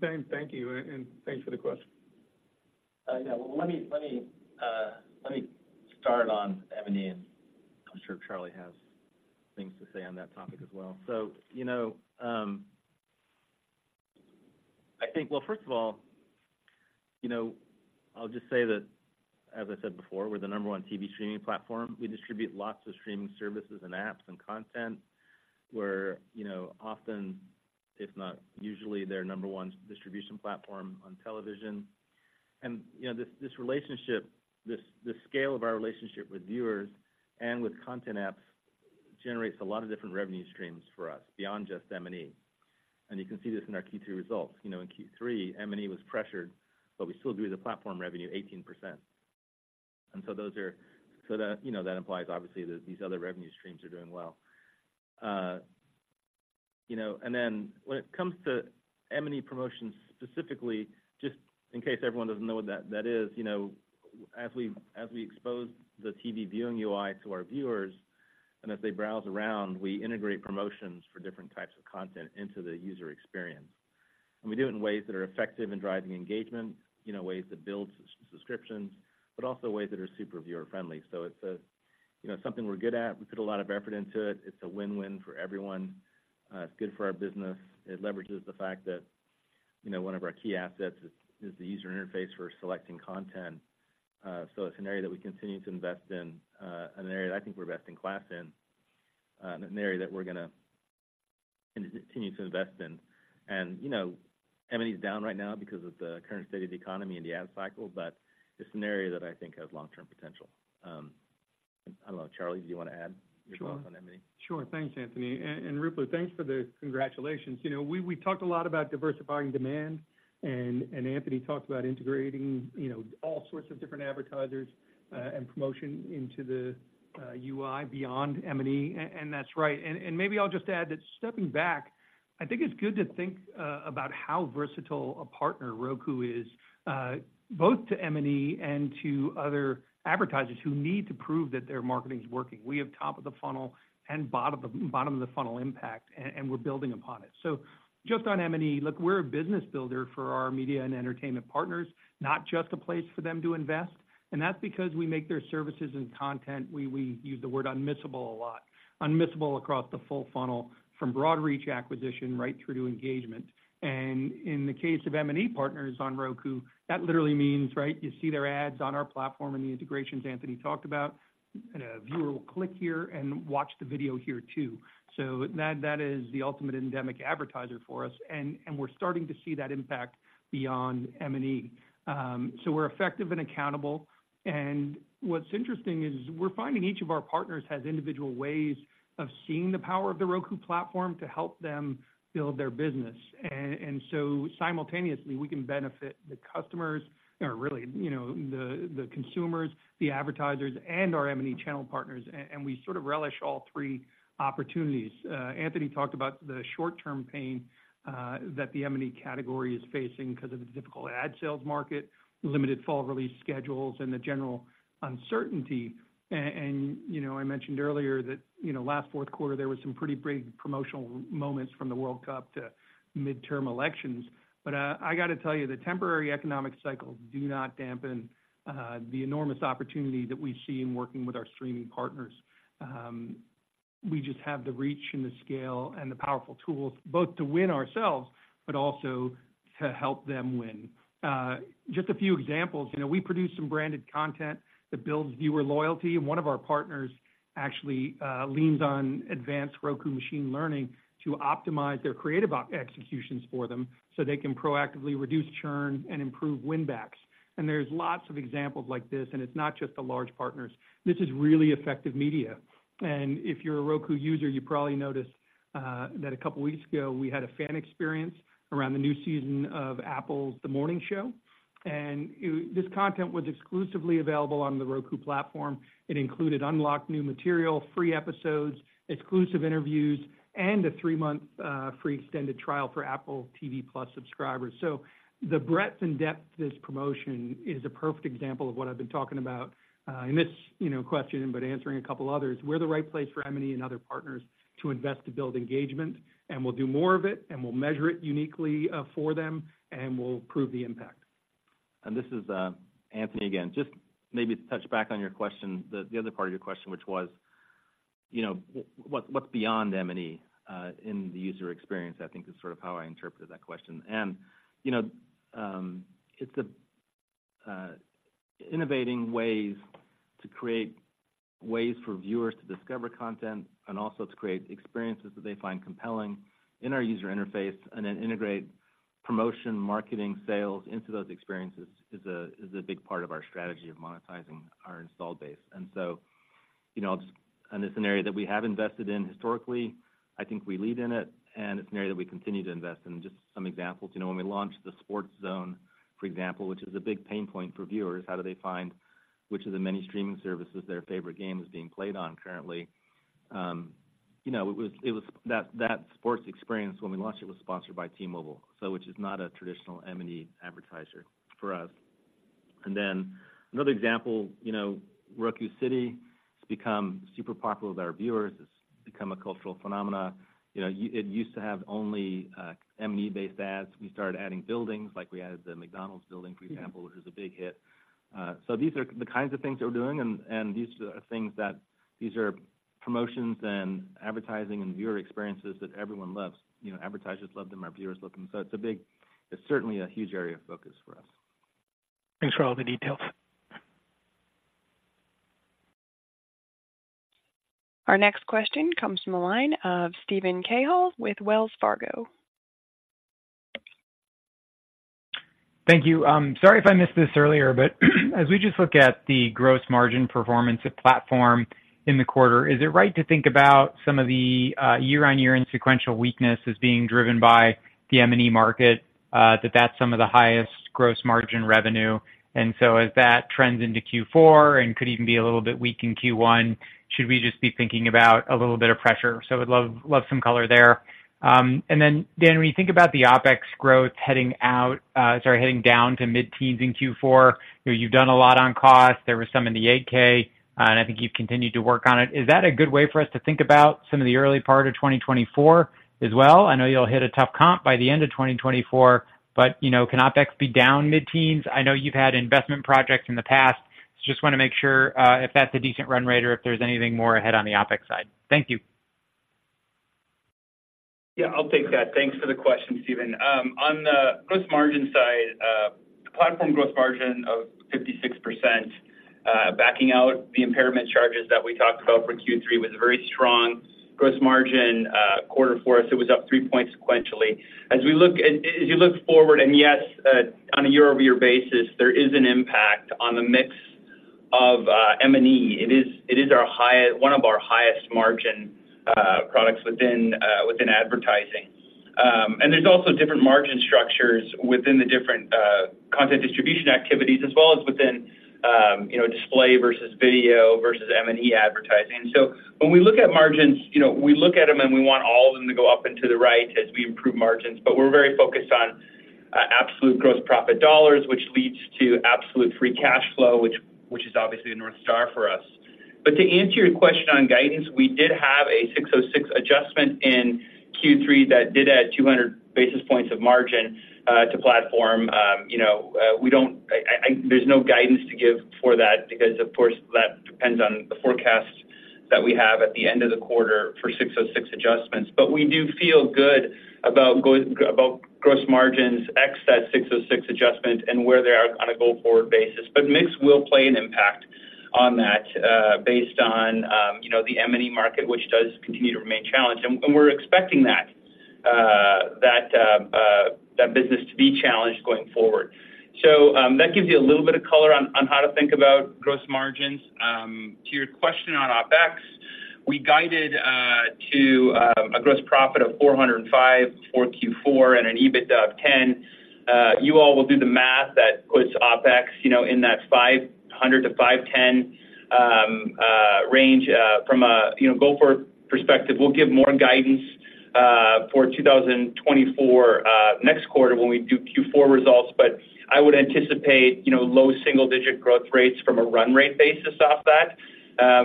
Thank you, and thanks for the question. Yeah, well, let me start on M&E, and I'm sure Charlie has things to say on that topic as well. So, you know, I think, well, first of all, you know, I'll just say that, as I said before, we're the number one TV streaming platform. We distribute lots of streaming services and apps and content, where, you know, often, if not usually, they're number one distribution platform on television. And, you know, this, this relationship, this, this scale of our relationship with viewers and with content apps generates a lot of different revenue streams for us beyond just M&E. And you can see this in our Q3 results. You know, in Q3, M&E was pressured, but we still grew the platform revenue 18%. So that implies, obviously, that these other revenue streams are doing well. You know, and then when it comes to M&E promotions, specifically, just in case everyone doesn't know what that is, you know, as we expose the TV viewing UI to our viewers, and as they browse around, we integrate promotions for different types of content into the user experience. And we do it in ways that are effective in driving engagement, you know, ways that builds subscriptions, but also ways that are super viewer-friendly. So it's something we're good at. We put a lot of effort into it. It's a win-win for everyone. It's good for our business. It leverages the fact that, you know, one of our key assets is the user interface for selecting content. So it's an area that we continue to invest in, and an area that I think we're best in class in, and an area that we're gonna continue to invest in. And, you know, M&E is down right now because of the current state of the economy and the ad cycle, but it's an area that I think has long-term potential. I don't know, Charlie, do you want to add your thoughts on M&E? Sure. Thanks, Anthony. And Ruplu, thanks for the congratulations. You know, we talked a lot about diversifying demand, and Anthony talked about integrating, you know, all sorts of different advertisers and promotion into the UI beyond M&E, and that's right. And maybe I'll just add that stepping back, I think it's good to think about how versatile a partner Roku is, both to M&E and to other advertisers who need to prove that their marketing is working. We have top of the funnel and bottom of the funnel impact, and we're building upon it. So just on M&E, look, we're a business builder for our media and entertainment partners, not just a place for them to invest, and that's because we make their services and content unmissable a lot. Unmissable across the full funnel from broad reach acquisition right through to engagement. In the case of M&E partners on Roku, that literally means, right, you see their ads on our platform and the integrations Anthony talked about, and a viewer will click here and watch the video here, too. So that is the ultimate endemic advertiser for us, and we're starting to see that impact beyond M&E. So we're effective and accountable. What's interesting is, we're finding each of our partners has individual ways of seeing the power of the Roku platform to help them build their business. And so simultaneously, we can benefit the customers, or really, you know, the consumers, the advertisers, and our M&E channel partners, and we sort of relish all three opportunities. Anthony talked about the short-term pain that the M&E category is facing because of the difficult ad sales market, limited fall release schedules, and the general uncertainty. And, you know, I mentioned earlier that, you know, last fourth quarter, there were some pretty big promotional moments from the World Cup to midterm elections. But, I got to tell you, the temporary economic cycles do not dampen the enormous opportunity that we see in working with our streaming partners. We just have the reach and the scale and the powerful tools, both to win ourselves, but also to help them win. Just a few examples, you know, we produce some branded content that builds viewer loyalty, and one of our partners actually leans on advanced Roku machine learning to optimize their creative executions for them, so they can proactively reduce churn and improve win backs. And there's lots of examples like this, and it's not just the large partners. This is really effective media. And if you're a Roku user, you probably noticed that a couple of weeks ago, we had a fan experience around the new season of Apple's The Morning Show, and this content was exclusively available on the Roku platform. It included unlocked new material, free episodes, exclusive interviews, and a three-month free extended trial for Apple TV+ subscribers. So the breadth and depth of this promotion is a perfect example of what I've been talking about, in this, you know, question, but answering a couple others. We're the right place for M&E and other partners to invest to build engagement, and we'll do more of it, and we'll measure it uniquely, for them, and we'll prove the impact. This is Anthony again. Just maybe to touch back on your question, the other part of your question, which was, you know, what's beyond M&E in the user experience? I think is sort of how I interpreted that question. You know, it's the innovating ways to create ways for viewers to discover content and also to create experiences that they find compelling in our user interface, and then integrate promotion, marketing, sales into those experiences is a big part of our strategy of monetizing our installed base. So, you know, it's an area that we have invested in historically. I think we lead in it, and it's an area that we continue to invest in. Just some examples, you know, when we launched the Sports Zone, for example, which is a big pain point for viewers, how do they find which of the many streaming services their favorite game is being played on currently. You know, it was that sports experience when we launched, it was sponsored by T-Mobile, so which is not a traditional M&E advertiser for us. And then another example, you know, Roku City has become super popular with our viewers. It's become a cultural phenomenon. You know, it used to have only M&E-based ads. We started adding buildings, like we added the McDonald's building, for example, which was a big hit. So these are the kinds of things that we're doing, and these are things that, these are promotions and advertising and viewer experiences that everyone loves. You know, advertisers love them, our viewers love them. So It's certainly a huge area of focus for us. Thanks for all the details. Our next question comes from the line of Steven Cahall with Wells Fargo. Thank you. Sorry if I missed this earlier, but as we just look at the gross margin performance of platform in the quarter, is it right to think about some of the, year-on-year and sequential weakness as being driven by the M&E market, that that's some of the highest gross margin revenue? And so as that trends into Q4 and could even be a little bit weak in Q1, should we just be thinking about a little bit of pressure? So I'd love, love some color there. And then, Dan, when you think about the OpEx growth heading out, sorry, heading down to mid-teens in Q4, you've done a lot on cost. There was some in the 8-K, and I think you've continued to work on it. Is that a good way for us to think about some of the early part of 2024 as well? I know you'll hit a tough comp by the end of 2024, but, you know, can OpEx be down mid-teens? I know you've had investment projects in the past. Just wanna make sure, if that's a decent run rate or if there's anything more ahead on the OpEx side. Thank you. Yeah, I'll take that. Thanks for the question, Steven. On the gross margin side, the platform gross margin of 56%, backing out the impairment charges that we talked about for Q3, was a very strong gross margin quarter for us. It was up 3 points sequentially. As you look forward, and yes, on a year-over-year basis, there is an impact on the mix of M&E. It is one of our highest margin products within advertising. And there's also different margin structures within the different content distribution activities, as well as within, you know, display versus video versus M&E advertising. So when we look at margins, you know, we look at them and we want all of them to go up and to the right as we improve margins. But we're very focused on absolute gross profit dollars, which leads to absolute free cash flow, which is obviously a north star for us. But to answer your question on guidance, we did have a 606 adjustment in Q3 that did add 200 basis points of margin to platform. You know, we don't, there's no guidance to give for that because, of course, that depends on the forecast that we have at the end of the quarter for 606 adjustments. But we do feel good about gross margins, ex that 606 adjustment and where they are on a go-forward basis. But mix will play an impact on that based on, you know, the M&E market, which does continue to remain challenged. We're expecting that business to be challenged going forward. That gives you a little bit of color on how to think about gross margins. To your question on OpEx, we guided to a gross profit of $405 million for Q4 and an EBITDA of $10 million. You all will do the math. That puts OpEx in that $500 million-$510 million range, from a go-forward perspective. We'll give more guidance for 2024 next quarter when we do Q4 results, but I would anticipate low single-digit growth rates from a run rate basis off that.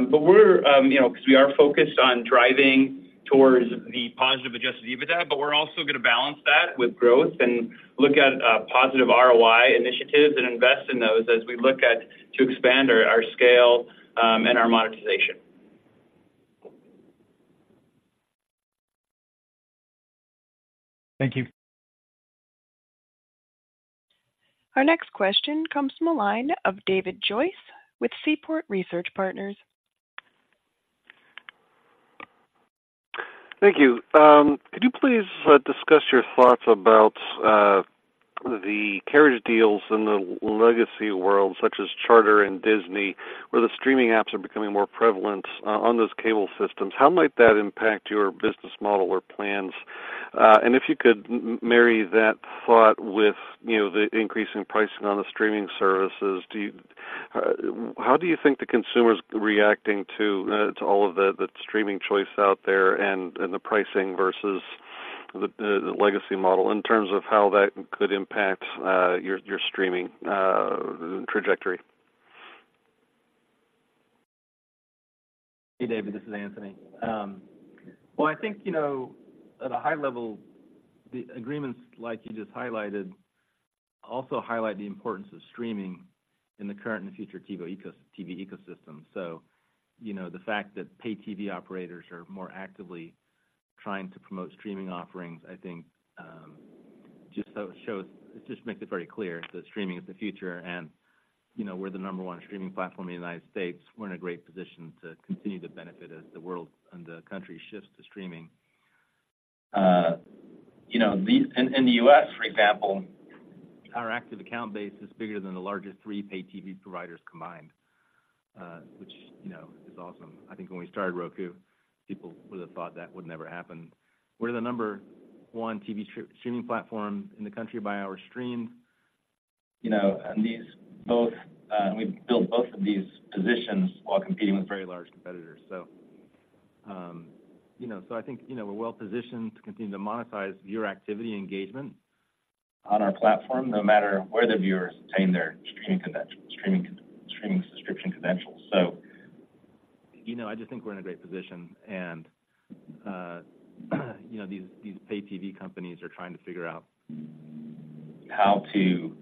But we're, you know, because we are focused on driving towards the positive adjusted EBITDA, but we're also going to balance that with growth and look at positive ROI initiatives and invest in those as we look at to expand our scale and our monetization. Thank you. Our next question comes from the line of David Joyce with Seaport Research Partners. Thank you. Could you please discuss your thoughts about the carriage deals in the legacy world, such as Charter and Disney, where the streaming apps are becoming more prevalent on those cable systems? How might that impact your business model or plans? And if you could marry that thought with, you know, the increasing pricing on the streaming services, how do you think the consumer is reacting to all of the streaming choice out there and the pricing versus the legacy model in terms of how that could impact your streaming trajectory? Hey, David, this is Anthony. Well, I think, you know, at a high level, the agreements like you just highlighted also highlight the importance of streaming in the current and future TV ecosystem. You know, the fact that pay TV operators are more actively trying to promote streaming offerings, I think, just shows, it just makes it very clear that streaming is the future, and, you know, we're the number one streaming platform in the United States. We're in a great position to continue to benefit as the world and the country shifts to streaming. In the U.S., for example, our active account base is bigger than the largest three pay TV providers combined, which, you know, is awesome. I think when we started Roku, people would have thought that would never happen. We're the number one TV streaming platform in the country by our stream, you know, and these both, we've built both of these positions while competing with very large competitors. So, you know, so I think, you know, we're well positioned to continue to monetize viewer activity engagement on our platform, no matter where the viewers obtain their streaming credentials, streaming, streaming subscription credentials. So, you know, I just think we're in a great position, and, you know, these, these pay TV companies are trying to figure out how to,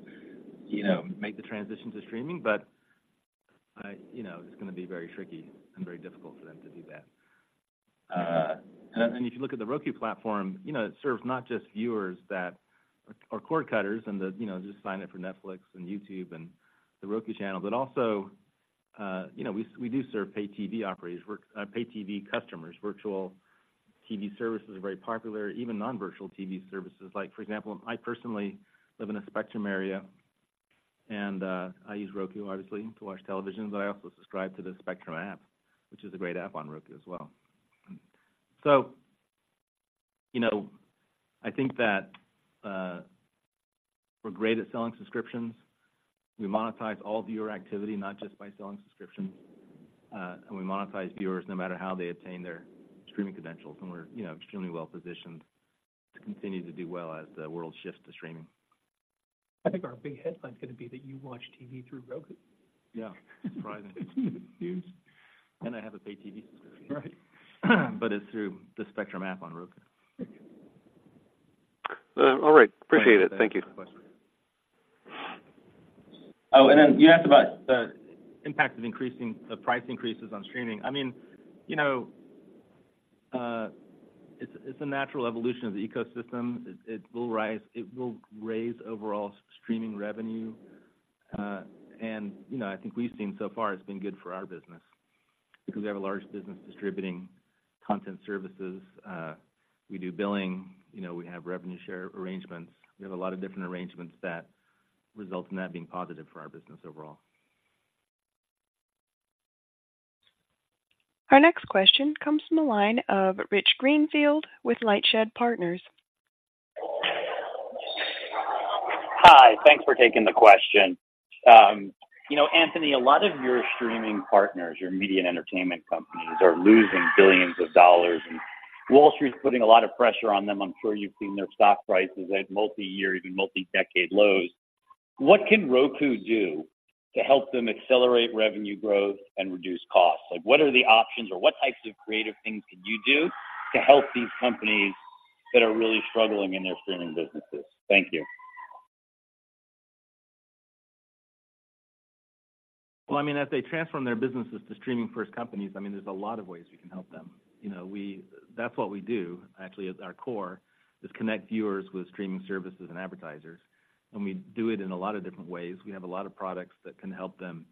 you know, make the transition to streaming, but, you know, it's gonna be very tricky and very difficult for them to do that. And if you look at the Roku platform, you know, it serves not just viewers that are cord cutters and the, you know, just sign up for Netflix and YouTube and The Roku Channel, but also, you know, we do serve pay TV operators, pay TV customers. Virtual TV services are very popular, even non-virtual TV services. Like, for example, I personally live in a Spectrum area, and I use Roku, obviously, to watch television, but I also subscribe to the Spectrum app, which is a great app on Roku as well. So, you know, I think that, we're great at selling subscriptions. We monetize all viewer activity, not just by selling subscriptions, and we monetize viewers no matter how they obtain their streaming credentials, and we're, you know, extremely well positioned to continue to do well as the world shifts to streaming. I think our big headline is gonna be that you watch TV through Roku. Yeah. That's right. Huge. I have a pay TV subscription. Right. But it's through the Spectrum app on Roku. All right. Appreciate it. Thank you. Oh, and then you asked about the impact of increasing the price increases on streaming. I mean, you know, it's a natural evolution of the ecosystem. It will raise overall streaming revenue. And, you know, I think we've seen so far, it's been good for our business because we have a large business distributing content services. We do billing, you know, we have revenue share arrangements. We have a lot of different arrangements that result in that being positive for our business overall. Our next question comes from the line of Rich Greenfield with LightShed Partners. Hi, thanks for taking the question. You know, Anthony, a lot of your streaming partners, your media and entertainment companies, are losing billions of dollars, and Wall Street is putting a lot of pressure on them. I'm sure you've seen their stock prices at multi-year, even multi-decade lows. What can Roku do to help them accelerate revenue growth and reduce costs? Like, what are the options, or what types of creative things could you do to help these companies that are really struggling in their streaming businesses? Thank you. Well, I mean, as they transform their businesses to streaming-first companies, I mean, there's a lot of ways we can help them. You know, we, that's what we do, actually, at our core, is connect viewers with streaming services and advertisers, and we do it in a lot of different ways. We have a lot of products that can help them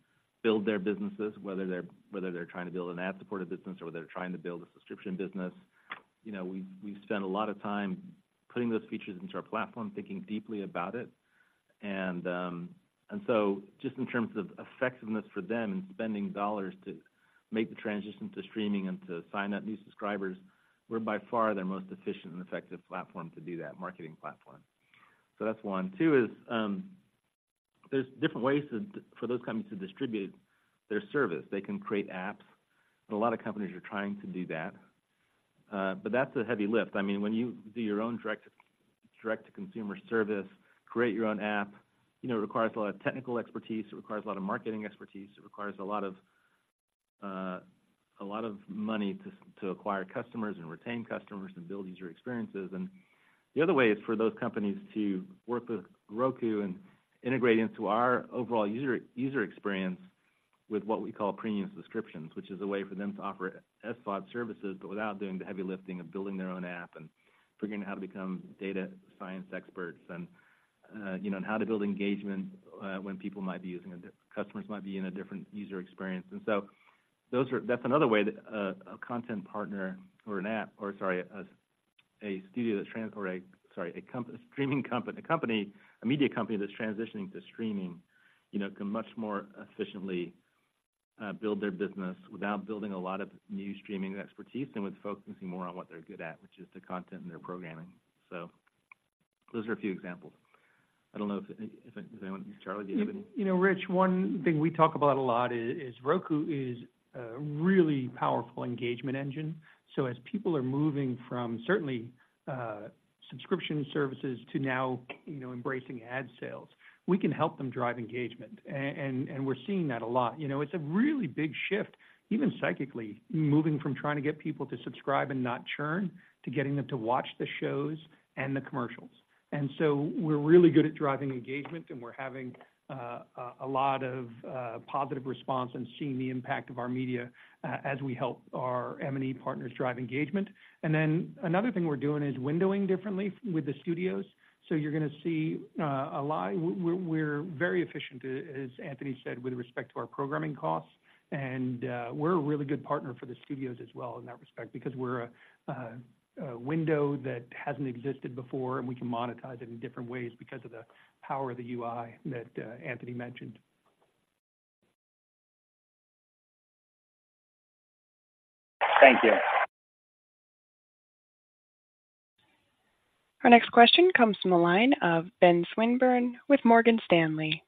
build their businesses, whether they're, whether they're trying to build an ad-supported business or whether they're trying to build a subscription business. You know, we've spent a lot of time putting those features into our platform, thinking deeply about it. And so just in terms of effectiveness for them and spending dollars to make the transition to streaming and to sign up new subscribers, we're by far their most efficient and effective platform to do that, marketing platform. So that's one. Two is, there's different ways to, for those companies to distribute their service. They can create apps, and a lot of companies are trying to do that, but that's a heavy lift. I mean, when you do your own direct-to, direct-to-consumer service, create your own app, you know, it requires a lot of technical expertise, it requires a lot of marketing expertise, it requires a lot of, a lot of money to, to acquire customers and retain customers and build user experiences. And the other way is for those companies to work with Roku and integrate into our overall user experience with what we call premium subscriptions, which is a way for them to offer SVOD services, but without doing the heavy lifting of building their own app and figuring out how to become data science experts, and, you know, and how to build engagement, when people might be using a different, customers might be in a different user experience. And so that's another way that a content partner or an app, or sorry, a studio that's trans. a streaming company, a company, a media company that's transitioning to streaming, you know, can much more efficiently build their business without building a lot of new streaming expertise and with focusing more on what they're good at, which is the content and their programming. So those are a few examples. I don't know if anyone, Charlie, do you have any? You know, Rich, one thing we talk about a lot is Roku is a really powerful engagement engine. So as people are moving from certainly subscription services to now, you know, embracing ad sales, we can help them drive engagement. And we're seeing that a lot. You know, it's a really big shift, even psychologically, moving from trying to get people to subscribe and not churn, to getting them to watch the shows and the commercials. And so we're really good at driving engagement, and we're having a lot of positive response and seeing the impact of our media as we help our M&E partners drive engagement. And then another thing we're doing is windowing differently with the studios. So you're gonna see a lot, we're very efficient, as Anthony said, with respect to our programming costs, and we're a really good partner for the studios as well in that respect, because we're a window that hasn't existed before, and we can monetize it in different ways because of the power of the UI that Anthony mentioned. Thank you. Our next question comes from the line of Ben Swinburne with Morgan Stanley.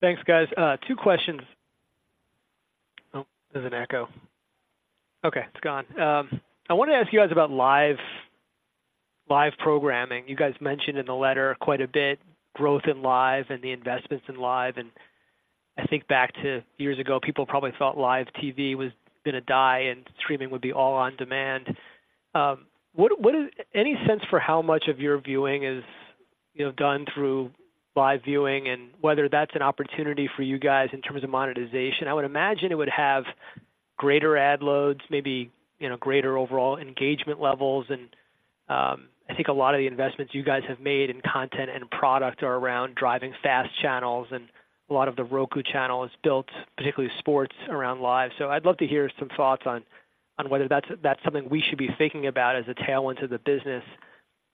Thanks, guys. Two questions. Oh, there's an echo. Okay, it's gone. I wanted to ask you guys about live programming. You guys mentioned in the letter quite a bit growth in Live and the investments in Live, and I think back to years ago, people probably thought live TV was gonna die and streaming would be all on demand. What is any sense for how much of your viewing is, you know, done through live viewing and whether that's an opportunity for you guys in terms of monetization? I would imagine it would have greater ad loads, maybe, you know, greater overall engagement levels, and I think a lot of the investments you guys have made in content and product are around driving fast channels, and a lot of the Roku Channel is built, particularly sports, around live. So I'd love to hear some thoughts on whether that's something we should be thinking about as a tailwind to the business.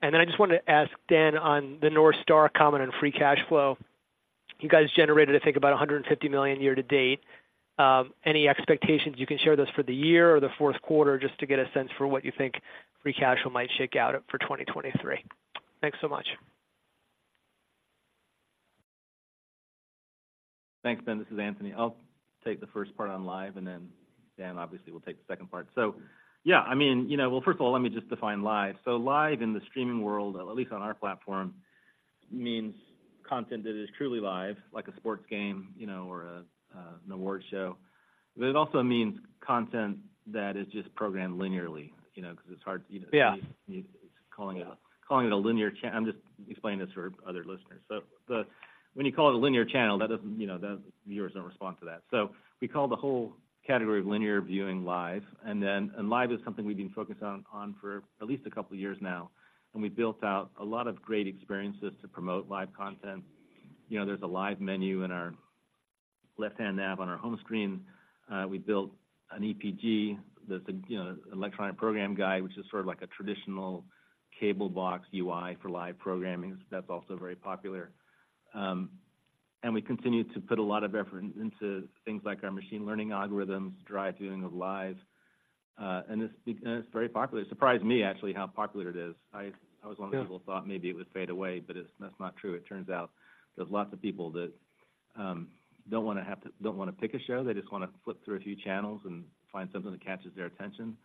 And then I just wanted to ask Dan on the North Star comment on free cash flow. You guys generated, I think, about $150 million year to date. Any expectations you can share with us for the year or the fourth quarter, just to get a sense for what you think free cash flow might shake out for 2023? Thanks so much. Thanks, Ben. This is Anthony. I'll take the first part on live, and then Dan, obviously, will take the second part. So, yeah, I mean, you know. Well, first of all, let me just define live. So live in the streaming world, at least on our platform, means content that is truly live, like a sports game, you know, or an award show. But it also means content that is just programmed linearly, you know, because it's hard, you know Calling it a linear channel, I'm just explaining this for other listeners. So, but when you call it a linear channel, that doesn't, you know, the viewers don't respond to that. So we call the whole category of linear viewing Live. And then, Live is something we've been focused on for at least a couple of years now, and we built out a lot of great experiences to promote live content. You know, there's a live menu in our left-hand nav on our home screen. We built an EPG, that's, you know, electronic program guide, which is sort of like a traditional cable box UI for live programming. That's also very popular. And we continue to put a lot of effort into things like our machine learning algorithms to drive viewing of Live. And it's very popular. It surprised me, actually, how popular it is. Yeah. I was one of the people who thought maybe it would fade away, but it's, that's not true. It turns out there's lots of people that don't wanna have to, don't wanna pick a show. They just wanna flip through a few channels and find something that catches their attention.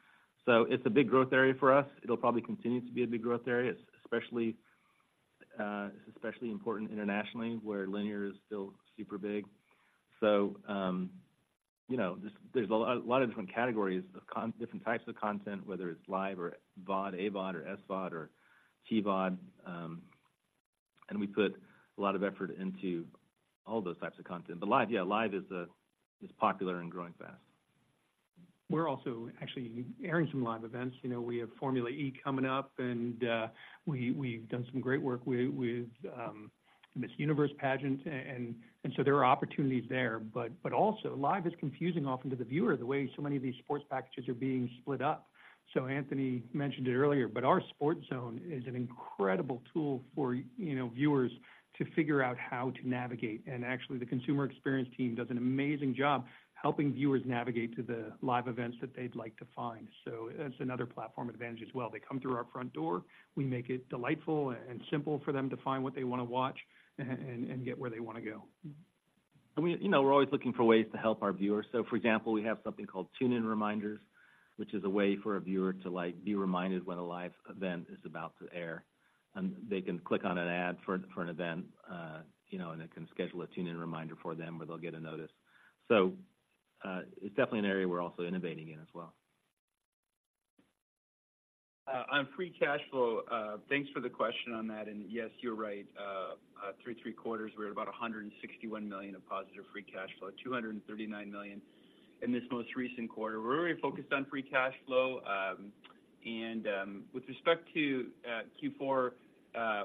So it's a big growth area for us. It'll probably continue to be a big growth area, especially, it's especially important internationally, where linear is still super big. So, you know, there's a lot of different categories of different types of content, whether it's live or VOD, AVOD, or SVOD, or TVOD. And we put a lot of effort into all those types of content. But Live, yeah, Live is popular and growing fast. We're also actually airing some live events. You know, we have Formula E coming up, and we’ve done some great work with Miss Universe Pageant, and so there are opportunities there. But also, live is confusing often to the viewer, the way so many of these sports packages are being split up. So Anthony mentioned it earlier, but our Sports Zone is an incredible tool for, you know, viewers to figure out how to navigate. And actually, the consumer experience team does an amazing job helping viewers navigate to the live events that they'd like to find. So that's another platform advantage as well. They come through our front door, we make it delightful and simple for them to find what they want to watch and get where they wanna go. We, you know, we're always looking for ways to help our viewers. So for example, we have something called tune-in reminders, which is a way for a viewer to, like, be reminded when a live event is about to air. And they can click on an ad for an event, you know, and it can schedule a tune-in reminder for them, where they'll get a notice. So, it's definitely an area we're also innovating in as well. On free cash flow, thanks for the question on that. Yes, you're right. Through three quarters, we're at about $161 million of positive free cash flow, $239 million in this most recent quarter. We're really focused on free cash flow. And with respect to Q4,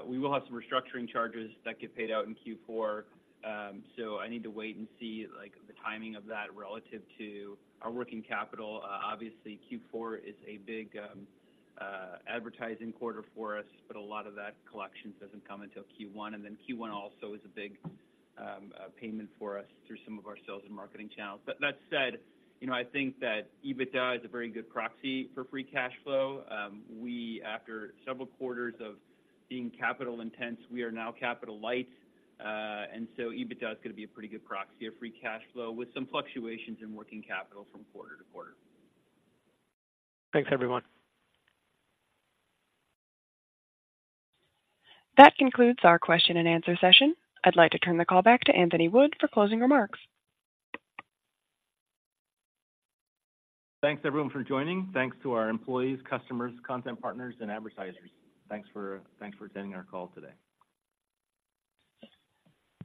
we will have some restructuring charges that get paid out in Q4. So I need to wait and see, like, the timing of that relative to our working capital. Obviously, Q4 is a big advertising quarter for us, but a lot of that collections doesn't come until Q1, and then Q1 also is a big payment for us through some of our sales and marketing channels. But that said, you know, I think that EBITDA is a very good proxy for free cash flow. After several quarters of being capital-intensive, we are now capital-light. And so EBITDA is gonna be a pretty good proxy of free cash flow, with some fluctuations in working capital from quarter to quarter. Thanks, everyone. That concludes our question-and-answer session. I'd like to turn the call back to Anthony Wood for closing remarks. Thanks, everyone, for joining. Thanks to our employees, customers, content partners, and advertisers. Thanks for attending our call today.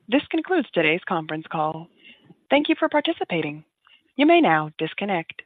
This concludes today's conference call. Thank you for participating. You may now disconnect.